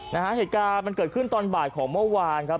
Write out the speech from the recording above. เหตุการณ์มันเกิดขึ้นตอนบ่ายของเมื่อวานครับ